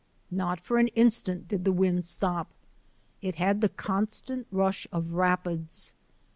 Not for an instant did the wind stop; it had the constant rush of rapids.